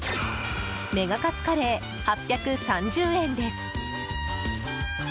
メガカツカレー、８３０円です。